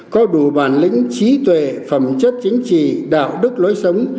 có đủ bản lĩnh trí tuệ phẩm chất chính trị đạo đức lối sống